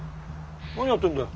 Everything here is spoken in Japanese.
何やってんだよ？